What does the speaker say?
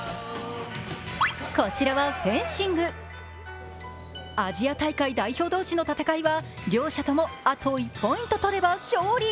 こちらはフェンシング、アジア大会代表同士の戦いは両者ともあと１ポイント取れば勝利。